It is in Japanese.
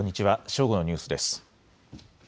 正午のニュースです。